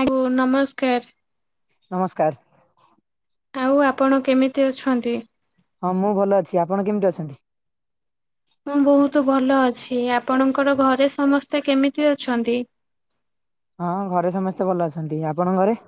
ଆଗୋ ନମସ୍କାର। ନମସ୍କାର। ଆଉ ଆପଣ କେମିତି ଅଛନ୍ତି? ହଁ ମୁଁ ଭଲ ଅଛି ଆପଣ କେମିତି ଅଛନ୍ତି? ମୁଁ ବହୁତ ଭଲ ଅଛି ଆପଣଙ୍କର ଘରେ ସମସ୍ତେ କେମିତି ଅଛନ୍ତି? ହଁ ଘରେ ସମସ୍ତେ ଭଲ ଅଛନ୍ତି ଆପଣଙ୍କ ଘରେ?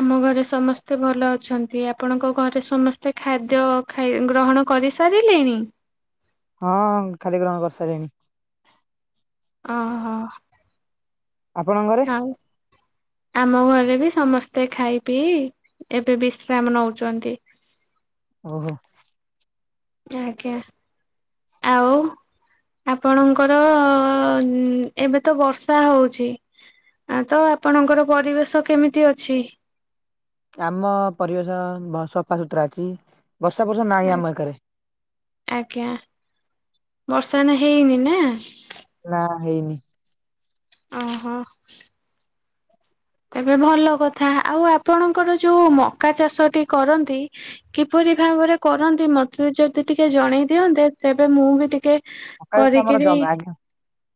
ଆମ ଘରେ ସମସ୍ତେ ଭଲ ଅଛନ୍ତି ଆପଣଙ୍କ ଘରେ ସମସ୍ତେ ଖାଦ୍ୟ ଖାଇ ଗ୍ରହଣ କରିସାରିଲେଣି। ହଁ ଖାଲି ଗ୍ରହଣ କରିସାରିଲିଣି। ଅ ହ। ଆପଣଙ୍କ ଘରେ? ନାଇଁ। ଆମ ଘରେ ବି ସମସ୍ତେ ଖାଇ ପିଇ ଏବେ ବିଶ୍ରାମ ନେଉଛନ୍ତି। ଓହୋ। ଆଜ୍ଞା ଆଉ ଆପଣଙ୍କର ଏବେ ତ ବର୍ଷା ହଉଛି। ଆ ତ ଆପଣଙ୍କର ପରିବେଶ କେମିତି ଅଛି? ଆମ ପରିବେଶ ସଫାସୁତୁରା ଅଛି ବର୍ଷା ଫର୍ଷା ନାହିଁ ଆମ ଏକାରେ। ଆଜ୍ଞା ବର୍ଷା ନେ ହେଇନି ନା। ନା ହେଇନି। ଓହୋ। ତେବେ ଭଲ କଥା ଆଉ ଆପଣଙ୍କର ଯୋଉ ମକା ଚାଷଟି କରନ୍ତି। କିପରି ଭାବରେ କରନ୍ତି ମତେ ଯଦି ଟିକେ ଜଣେଇ ଦିଅନ୍ତେ ତେବେ ମୁଁ ବି ଟିକେ ମକା ଚାଷ ଆମର ଜ କରିକିରି ଆଜ୍ଞା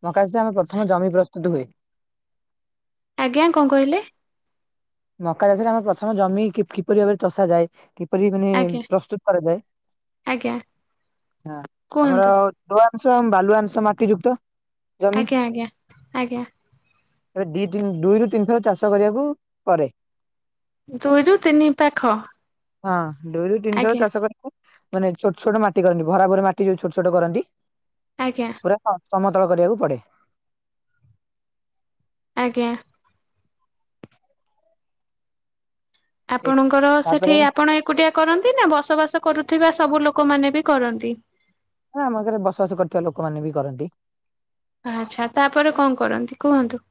ମକା ଚାଷ ଆମେ ପ୍ରଥମ ଜମି ପ୍ରସ୍ତୁତ ହୁଏ। ଆଜ୍ଞା କଣ କହିଲେ? ମକା ଚାଷରେ ଆମର ପ୍ରଥମ ଜମି କିପରି ଭାବରେ ଚଷାଯାଏ। କିପରି ମାନେ ଆଜ୍ଞା ପ୍ରସ୍ତୁତ କରାଯାଏ ଆଜ୍ଞା ଆମର କୁହନ୍ତୁ [unintelligible] ଅଂଶ ବାଲୁ ଅଂଶ ମାଟି ଯୁକ୍ତ ଜମି ଆଜ୍ଞା ଆଜ୍ଞା ଆଜ୍ଞା। ଏବେ ଦି ତିନି ଦୁଇରୁ ତିନି ଥର ଚାଷ କରିବାକୁ ପରେ। ଦୁଇରୁ ତିନି ପାଖ ହଁ ଦୁଇ ରୁ ତିନି ଥର ଆଜ୍ଞା ଚାଷ କରିବା। ମାନେ ଛୋଟ ଛଟ ମାଟି କରନ୍ତି ଭରା ଭରି ମାଟି ଯୋଉ ଛୋଟ ଛୋଟ କରନ୍ତି। ଆଜ୍ଞା। ପୁରା ସମତଳ କରିବାକୁ ପଡ଼େ। ଆଜ୍ଞା। ଏ ଆପଣଙ୍କର ସେଠି ତାପରେ ଆପଣ ଏ କୁଟିଆ କରନ୍ତି ନା ବସବାସ କରୁଥିବା ସବୁ ଲୋକମାନେ ବି କରନ୍ତି। ହଁ ଆମ ଘରେ ବସବାସ କରିଥିବା ଲୋକମାନେ ବି କରନ୍ତି। ଆଚ୍ଛା ତାପରେ କଣ କରନ୍ତି କୁହନ୍ତୁ।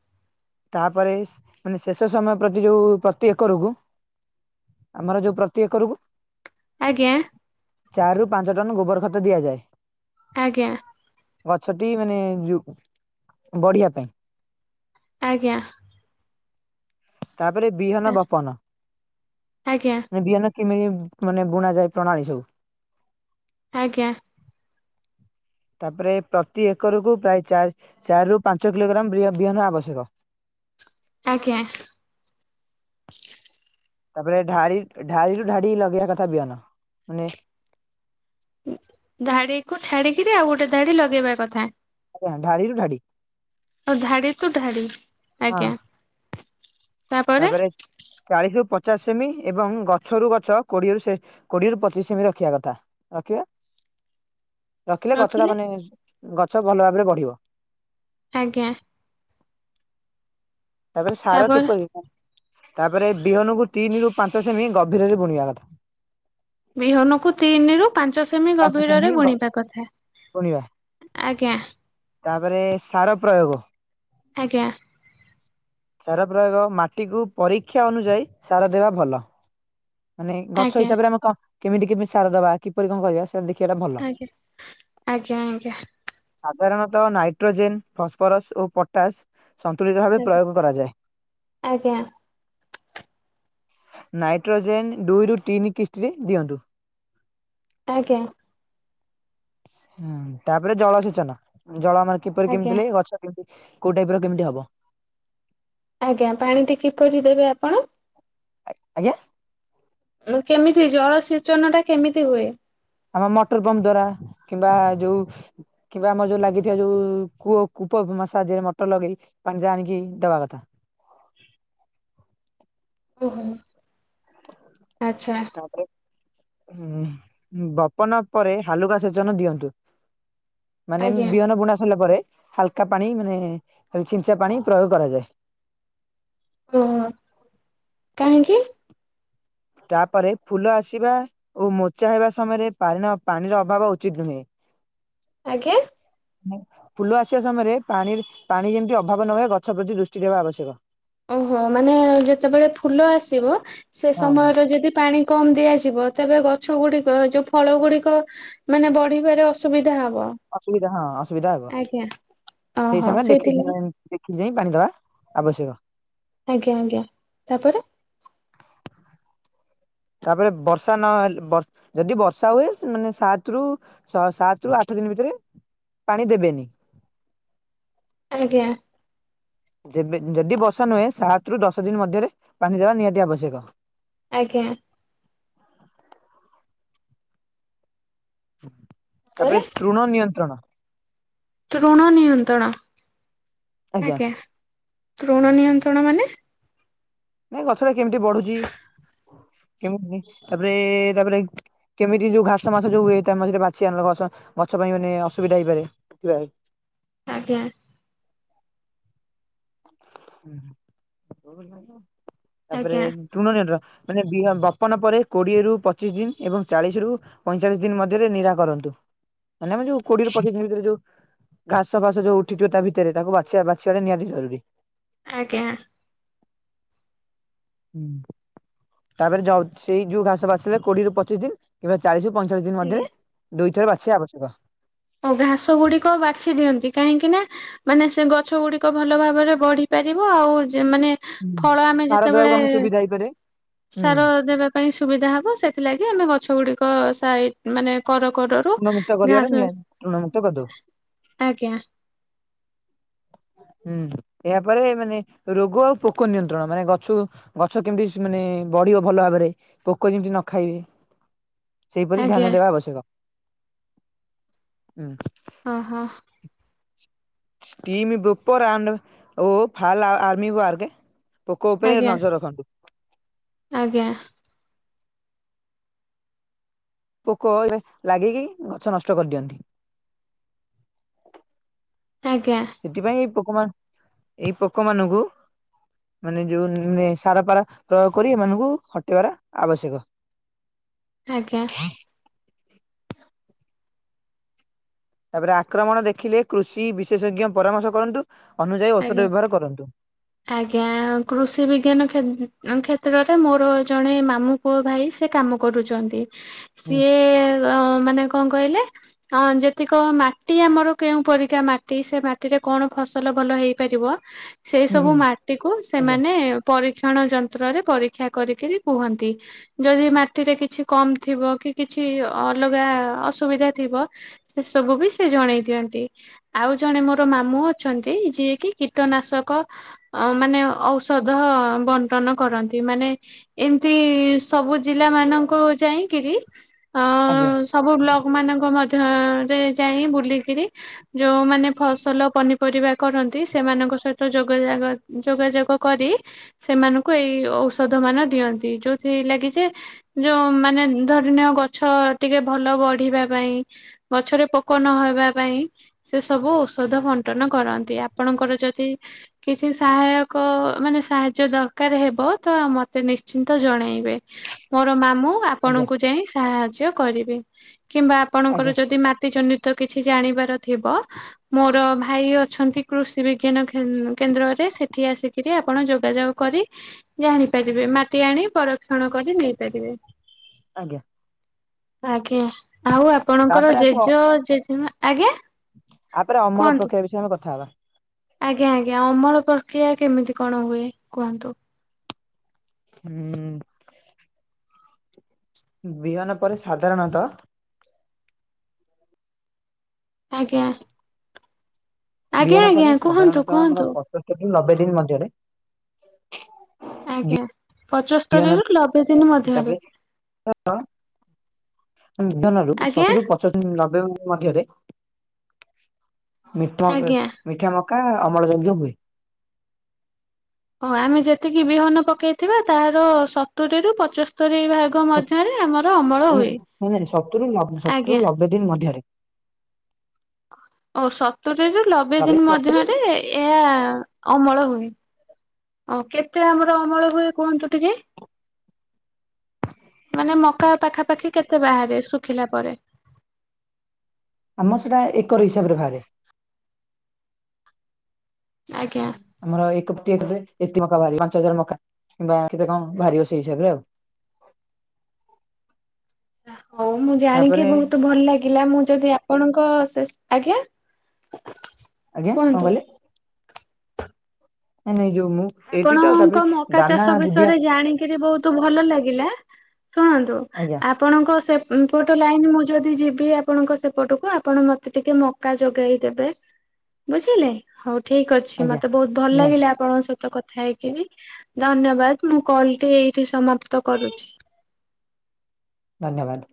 ତାପରେ ମାନେ ଶେଷ ସମୟ ପ୍ରତି ଯୋଉ ପ୍ରତି ଏକରକୁ ଆମର ଯୋଉ ପ୍ରତି ଏକରକୁ ଆଜ୍ଞା। ଚାରି ରୁ ପାଞ୍ଚ ଟନ ଗୋବର ଖତ ଦିଆଯାଏ। ଆଜ୍ଞା। ଗଛଟି ମାନେ ଯୁ ବଢିବା ପାଇଁ। ଆଜ୍ଞା। ତାପରେ ବିହନ ଆ ବପନ ଆଜ୍ଞା ବିହନ। କିମିତି ମାନେ ବୁଣା ଯାଏ ପ୍ରଣାଳୀ ସବୁ। ଆଜ୍ଞା। ତାପରେ ପ୍ରତି ଏକରକୁୁ ପ୍ରାୟ ଚାରି ରୁ ପାଞ୍ଚ କିଲୋଗ୍ରାମ ବିହନ ଆବଶ୍ୟକ। ଆଜ୍ଞା। ତାପରେ ଢାଳିକି ଢାଡି ଢାଡି ଲଗେଇବା କଥା ବିିଅନ ମାନେ ଧାଡ଼ିକୁୁ ଛାଡ଼ି କିରି ଆଉ ଗୋଟେ ଧାଡ଼ି ଲଗେଇବା କଥା। ଆଜ୍ଞା ଢାଡ଼ିରୁ ଢାଡ଼ି। ଆଉ ଧାଡ଼ି ଟୁ ଧାଡ଼ି ହଁ ଆଜ୍ଞା। ତାପରେ ଚାଳିଶ ରୁ ପଚାଶ ସେମି ଏବଂ ଗଛରୁୁ ଗଛ କୋଡ଼ିଏରୁ ସେ କୋଡ଼ିଏରୁ ପଚିଶ ସେମି ରଖିବା କଥା ରଖିବେ। ରଖିଲେ ଗଛ ଟା ମାନେ ଗଛ ଭଲ ଭାବରେ ବଢ଼ିବ। ଆଜ୍ଞା। ତାପରେ ସାର କିପରି, ତାପରେ ବିହନକୁ ତିନି ରୁ ପାଞ୍ଚ ସେମି ଗଭୀରରେ ବୁଣିବା କଥା। ବିହନକୁ ତିନି ରୁ ପାଞ୍ଚ ସେମି ପାଞ୍ଚ ସେମି ଗଭୀରରେ ଗ ବୁଣିବା କଥା। ବୁଣିବା। ଆଜ୍ଞା। ତାପରେ ସାର ପ୍ରୟୋଗ? ଆଜ୍ଞା। ସାର ପ୍ରୟୋଗ ମାଟିକୁ ପରୀକ୍ଷା ଅନୁଯାୟୀ ସାର ଦେବା ଭଲ। ମାନେ ଗଛ ଆଜ୍ଞା ହିସାବରେ ଆମେ କଁ କେମିତି କେମିତି ସାର ଦବା କିପରି କଁ କହିବା ସେ ସେ ଦେଖିବାଟା ଭଲ। ଆଜ୍ଞା ଆଜ୍ଞା ଆଜ୍ଞା ସାଧାରଣତଃ ନାଇଟ୍ରୋଜେନ୍ ଫସଫରସ ଓ ପ ଟାସ୍ ସନ୍ତୁଳିତ ଭାବେ ପ୍ରୟୋଗ କରାଯାଏ। ଆଜ୍ଞା ନାଇଟ୍ରୋଜେନ ଡୁଇରୁୁ ତିନି କିସ୍ତିରେ ଦିଅନ୍ତୁ। ଆଜ୍ଞା। ହୁଁ ତାପରେ ଜଳସେଚନ। ଜଳ ଆମର କିପରି ଆଜ୍ଞା କେମିତି ଲେ ଗଛ କେମତି କୋଉ ଟାଇପ ର କେମିତି ହବ। ଆଜ୍ଞା ପାଣିଟି କିପରି ଦେବେ ଆପଣ? ଆ ଆଜ୍ଞା। କେମିତି ଜଳସେଚନ ଟା କେମିତି ହୁଏ? ଆମ ମଟର ପମ୍ପ ଦ୍ଵାରା କିମ୍ବା ଯୋଉ କିମ୍ବା ଆମର ଯୋଉ ଲାଗିଥିବା ଯୋଉ କୂଅ କୂପ ମାସା ଦେଇ ମଟର ଲଗେଇ ପାଣି ଦେ ଆଣିଲି ଦବା କଥା। ଓହୋ। ଆଚ୍ଛା ତାପରେ ହଁ ବପନ ପରେ ହାଲୁକା ସେଚନ ଦିଅନ୍ତୁ। ମାନେ ଆଜ୍ଞା ବିହନ ବୁଣା ସରିଲା ପରେ ହାଲକା ପାଣି ମାନେ ଖାଲ୍ ଛିଞ୍ଚା ପାଣି ପ୍ରୟୋଗ କରାଯାଏ। ଓହୋ କାହିଁକି? ତାପରେ ଫୁଲ ଆସିବା ଓ ମୋଚା ହେବା ସମୟରେ ପାରିର ପାଣିର ଅଭାବ ଉଚିତ ନୁହେଁ। ଆଜ୍ଞା। ଫୁଲ ଆସିବା ସମୟରେ ପାଣିରୁ ପାଣି ଯେମିତି ଅଭାବ ନ ହୁଏ ଗଛ ପ୍ରତି ଦୃଷ୍ଟି ଦେବା ଆବଶ୍ୟକ। ଓହୋ ମାନେ ଯେତେବେଳେ ଫୁଲ ଆସିବ ସେ ହଁ। ସମୟରେ ଯଦି ପାଣି କମ୍ ଦିଆଯିବ ତେବେ ଗଛ ଗୁଡ଼ିକ ଯୋଉ ଫଳ ଗୁଡ଼ିକ ମାନେ ବଢ଼ିବାରେ ଅସୁବିଧା ହବ। ଅସୁବିଧା ହଁ ଅସୁବିଧା ହବ। ଆଜ୍ଞା ସେଇ ଓହୋ ସମୟରେ ଦେଖି ସେଇଥିଲାଗି ଦେଖି ଚାଇଁ ପାଣି ଦବା ଆବଶ୍ୟକ। ଆଜ୍ଞା ଆଜ୍ଞା, ତାପରେ? ତାପରେ ବର୍ଷା ନହଲେ ଯଦି ବର୍ଷା ହୁଏ ମାନେ ସାତ ରୁ ଶହ ସାତ ରୁ ଆଠ ଦିନ ଭିତରେ ପାଣି ଦେବେନି। ଆଜ୍ଞା। ଯେବେ ଯଦି ବର୍ଷା ନୁହେଁ ସାତ ରୁ ଦଶ ଦିନ ମଧ୍ୟରେ ପାଣି ଦେବା ନିହାତି ଆବଶ୍ୟକ। ଆଜ୍ଞା। ପରେ ତାପରେ ତୃଣ ନିୟନ୍ତ୍ରଣ ତୃଣ ନିୟନ୍ତ୍ରଣ? ଆଜ୍ଞା, ତୃଣ ନିୟନ୍ତ୍ରଣ ମାନେ? ନାଇଁ ଗଛଟା କେମିତି ବଢୁଛି? କେମିତି ତାପରେ ତାପରେ କେମିତି ଯୋଉ ଘାସ ମାସ ଯୋଉ ତା ମଝିରେ ଯୋଉ ବାଛି ଆଣିଲ ଗଛ, ଗଛ ପାଇଁ ମାନେ ଅସୁବିଧା ହେଇପାରେ। ଆଜ୍ଞା। ଉଁ ହୁଁ ଆଜ୍ଞା [unintelligible] ମାନେ ବିହନ ବପନ ପରେ କୋଡିଏ ରୁ ପଚିଶ ଦିନ ଏବଂ ଚାଳିଶ ରୁ ପଇଁଚାଳିଶ ଦିନ ମଧ୍ୟରେ ନିରା କରନ୍ତୁ। ମାନେ ଆମେ ଯୋଉ କୋଡିଏ ରୁ ପଚିଶ ଦିନ ଭିତରେ ଯୋଉ ଘାସ ଫାସ ଯୋଉ ଉଠିଥିବ ତା ଭିତରେ ତାକୁ ବାଛିବା, ବାଛିବାଟା ନିଆହାନ୍ତି ଜରୁରୀ। ଆଜ୍ଞା। ହୁଁ, ତାପରେ ଜଲ ସେଇ ଯୋଉ ଘାସ ବାଛିଲେ କୋଡିଏରୁୁ ପଚିଶ ଦିନ କିମ୍ବା ଚାଳିଶରୁ ପଇଁଚାଳିଶ ଦିନ ଆଜ୍ଞା। ମଧ୍ୟରେ ଦୁଇଥର ବାଛିବା ଆବଶ୍ୟକ। ଆଉ ଘାସ ଗୁଡିକ ବାଛି ଦିଅନ୍ତି, କାହିଁକି ନା ମାନେ ସେ ଗଛ ଗୁଡିକ ଭଲ ଭାବରେ ବଢି ପାରିବ। ଆଉ ଯେ ମାନେ ଫଳ ଆମେ ଯେତେବେଳେ ଯାଇପାରେ। ସାର ଦେବା ପାଇଁ ସୁବିଧା ହବ, ସେଥିଲାଗି ଆମେ ଗଛ ଗୁଡିକ ସାଇଟ ମାନେ କର କଡର ଋଣ ମୁକ୍ତ କରିବାରେ ନିହାତି ଋଣ ମୁୁକ୍ତ କରିଦବୁ। ଆଜ୍ଞା। ହୁଁ ଏହାପରେ ମାନେ ରୋଗ ଆଉ ପୋକ ନିୟନ୍ତ୍ରଣ। ମାନେ ଗଛକୁ ଗଛ କେମିତି ସ ମାନେ ବଢିବ ଭଲ ଭାବରେ। ପୋକ ଯେମିତି ନ ଖାଇବେ। ସେହିପରି ଧ୍ୟାନ ଆଜ୍ଞା ଦେବା ଆବଶ୍ୟକ। ହୁଁ, ଅହଃ। ଟିମ ବ୍ରୋପର ଆଣ୍ଡ ଓ ଫାଲ ଆର୍ମି ୱାର୍କ ପୋକ ଉପରେ ଆଜ୍ଞା ନଜର ରଖନ୍ତୁ। ଆଜ୍ଞା। ପୋକ ଲାଗିକି ଗଛ ନଷ୍ଟ କରିଦିଅନ୍ତି। ଆଜ୍ଞା। ସେଥିପାଇଁ ଏଇ ପୋକ ମାନ ଏଇ ପୋକମାନଙ୍କୁ ମାନେ ଯୋଉ ନେ ସାର ପାର ପ୍ରୟୋଗ କରି ଏମାନଙ୍କୁ ହଟେଇବାର ଆବଶ୍ୟକ। ଆଜ୍ଞା। ତାପରେ ଆକ୍ରମଣ ଦେଖିଲେ କୃଷି ବିଶେଷଜ୍ଞ ପରାମର୍ଶ କରନ୍ତୁ। ଅନୁଯାୟୀ ଔଷଧ ଆଜ୍ଞା। ବ୍ୟବହାର କରନ୍ତୁ। ଆଜ୍ଞା କୃଷି ବିଜ୍ଞାନ କ୍ଷେ -କ୍ଷେତ୍ରରେ ମୋର ଜଣେ ମାମୁଁ ପୁଅ, ଭାଇ ସେ କାମ କରୁଛନ୍ତି। ହୁଁ ସିଏ ମାନେ କଣ କହିଲେ? ହଁ ଯେତିକ ମାଟି, ଆମର କେଉଁ ପରିକା ମାଟି, ସେ ମାଟିରେ କଣ ଫସଲ ଭଲ ହେଇପାରିବ, ସେଇ ହୁଁ ସବୁ ହୁଁ ମାଟି କୁ ଆଜ୍ଞା ସେମାନେ ପରୀକ୍ଷଣ ଯନ୍ତ୍ରରେ ପରୀକ୍ଷା କରିକିରି କୁହନ୍ତି। ଯଦି ମାଟିରେ କିଛି କମ ଥିବ, କି କିଛି ଅଲଗା ଅସୁବିଧା ଥିବ ସେ ସବୁ ବି ସେ ଜଣେଇ ଦିଅନ୍ତି। ଆଉ ଜଣେ ମୋର ମାମୁଁ ଅଛନ୍ତି ଯିଏ କିି କୀଟନାଶକ ଅ ମାନେ ଔଷଧ ବଣ୍ଟନ କରନ୍ତି। ମାନେ ଏମତି ସବୁ ଜିଲ୍ଲା ମାନଙ୍କୁ ଯାଇଁକିରି ଅ ଆଜ୍ଞା। ସବୁ ବ୍ଲକମାନଙ୍କ ମଧ୍ୟରେ ଯାଇ ବୁଲିକିରି ଯୋଉମାନେ ଫସଲ ପନିପରିବା କରନ୍ତି ସେମାନଙ୍କ ସହିତ ଯୋଗାଯଗ ଯୋଗାଯୋଗ କରି ସେମାନଙ୍କୁ ଏଇ ଔଷଧ ମାନ ଦିଅନ୍ତି ଯେଉଁଥି ଲାଗି ଯେ ଯୋ ମାନେ ଧରିନୀୟ ଗଛ ଟିକେ ଭଲ ବଢିବା ପାଇଁ ଗଛରେ ପୋକ ନହବା ପାଇଁ ସେ ସବୁ ଔଷଧ ବଣ୍ଟନ କର ନ୍ତି ଆପଣଙ୍କର ଯଦି କିଛି ସାହାୟକ ମାନେ ସାହାଯ୍ୟ ଦରକାର ହେବ ତ ଆ ମତେ ନିଶ୍ଚିନ୍ତ ଜଣେଇବେ। ମୋର ମାମୁଁ ଆଜ୍ଞା ଆପଣଙ୍କୁ ଯାଇ ସାହାଯ୍ୟ କରିବେ କିମ୍ବା ଆପଣଙ୍କର ଆଜ୍ଞା ଯଦି ମା ଟି ଜନିତ କିଛି ଜାଣିବାର ଥିବ ମୋର ଭାଇ ଅଛନ୍ତି କୃଷି ବିଜ୍ଞାନ ଖେନ୍ କେନ୍ଦ୍ରରେ ସେଠି ଆସି କିରି ଆପଣ ଯୋଗାଯୋଗ କରି ଜାଣିପାରିବେ ମାଟି ଆଣି ପରକ୍ଷଣ କରି ନେଇପାରିବେ। ଆଜ୍ଞା। ଆଜ୍ଞା ଆଉ ଆପଣଙ୍କର ତାପରେ ଜେଜ ଜେଜେମା ଆଜ୍ଞା? ଆପରେ ଅମଳ କୁହନ୍ତୁ। ପ୍ରକ୍ରିୟା ବିଷୟରେ ଆମେ କଥା ହବା। ଆଜ୍ଞା ଆଜ୍ଞା ଅମଳ ପ୍ରକ୍ରିୟା କେମିତି କଣ ହୁଏ କୁହନ୍ତୁ? ଉଁ ବିହନ ପରେ ସାଧାରଣତଃ ଆଜ୍ଞା। ଆଜ୍ଞା ବିହନ ଆଜ୍ଞା ପାଇଁ କୁହନ୍ତୁ ସାଧାରଣତଃ କୁହନ୍ତୁ ଆମର ପଞ୍ଚସ୍ତରୁ ନବେ ଦିନ ମଧ୍ୟରେ ଆଜ୍ଞା ପଞ୍ଚସ୍ତରୀରୁ ନବେ ଦିନ ମଧ୍ୟରୁ [unintelligible] ଆଜ୍ଞା ଶତରୁୁ ଦିନ ନବେମ୍ବର ମଧ୍ୟରେ ମିଟରେ ଆଜ୍ଞା। ମିଠା ମକା ଅମଳଜନ୍ତ ହୁଏ। ଓ ଆମେ ଯେତିକି ବିହନ ପକେଇଥିବା ତାର ସତୁରି ରୁ ପଞ୍ଚସ୍ତରୀ ଭା ମଧ୍ୟରେ ଆମର ଅମଳ ହୁଏ ନାଇଁ ନାଇଁ ସତୁରୁ ଆଜ୍ଞା। [unintelligible] ଦିନ ମଧ୍ୟରେ। ଓ ସତରିରୁ ନବେ ଦିନ୍ ମଧ୍ୟରେ ଏହା ଅମଳ ହୁଏ। ଅ କେତେ ଆମର ଅମଳ ହୁଏ କୁହନ୍ତୁ ଟିକେ? ମାନେ ମକା ପାଖାପାଖି କେତେ ବାହାରେ ଶୁଖିଲା ପରେ? ଆମର ସେଟା ଏକର ହିସାବରେ ବାହାରେ। ଆଜ୍ଞା। ଆମର ଏ କେ ଏବେ ଏତେ ମକା ବାହାରିବ ପାଞ୍ଚ ହଜାର ମକା କିମ୍ବା କେତେ କଣ ବାହାରିବ ସେଇ ହିସାବରେ ଆଉ। ହଉ ମୁଁ ଜାଣିକି ତାପରେ ବହୁତ ଭଲ ଲାଗିଲା ମୁଁ ଯଦି ଆ ପଣଙ୍କ ସେଶ, ଆଜ୍ଞା? ଆଜ୍ଞା କଣ କୁହନ୍ତୁ। କହିଲେ? ନାଇଁ ନାଇଁ ଯୋ ମୁଁ ଏଇଠି ତ ତାପରେ ଆପଣଙ୍କ ମକା ଦାନା ଚାଷ ଦୁଧିଆ ବିଷୟରେ ଜାଣିକିରି ବହୁତ୍ ତ ଭଲ ଲାଗିଲା ଶୁଣନ୍ତୁ ଆଜ୍ଞା ଆ ଆପଣଙ୍କ ସେ ଉଁ ପଟ ଲାଇନ୍ ମୁଁ ଯଦି ଯିବି ଆପଣଙ୍କ ସେପଟକୁ ଆପଣ ମୋତେ ଟିକି ମ ଜା ଯୋଗେଇ ଦେବେ ବୁଝିଲେ ହଉ ଠିକ୍ ଅଛି ଆଜ୍ଞା ମତେ ବହୁତ ଭଲ ନିହାତି ଲାଗିଲା ଆପଣଙ୍କ ସଅ କଥା ହେଇକିରି ଧନ୍ୟବାଦ ମୁଁ କଲ୍ ଟି ଏଇଠି ସମାପ୍ତ କରୁଛି। ଧନ୍ୟବାଦ।